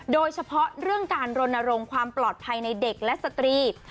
โดยเฉพาะเรื่องการรณรงค์ความปลอดภัยในเด็กและสตรี